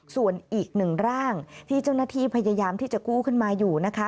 ส่วนอีกหนึ่งร่างที่เจ้าหน้าที่พยายามที่จะกู้ขึ้นมาอยู่นะคะ